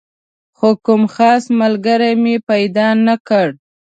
خو کوم خاص ملګری مې پیدا نه کړ.